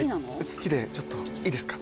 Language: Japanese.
好きでちょっといいですか？